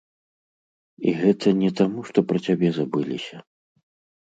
І гэта не таму, што пра цябе забыліся.